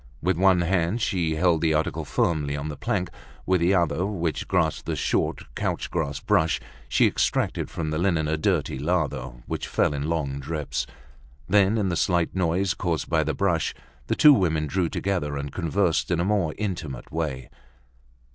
With one hand she held the article firmly on the plank; with the other, which grasped the short couch grass brush, she extracted from the linen a dirty lather, which fell in long drips. Then, in the slight noise caused by the brush, the two women drew together, and conversed in a more intimate way.